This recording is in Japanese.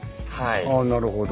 ああなるほど。